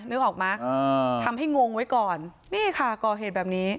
นึกออกไหมทำให้งงไว้ก่อนนี่ค่ะก่อเหตุแบบนี้